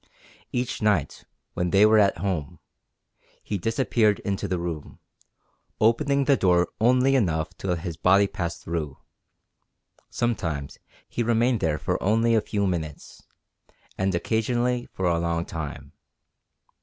Each night, when they were at home, he disappeared into the room, opening the door only enough to let his body pass through; sometimes he remained there for only a few minutes, and occasionally for a long time.